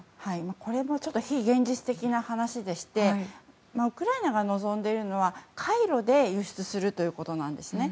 これも非現実的な話でしてウクライナが望んでいるのは海路で輸出するということなんです。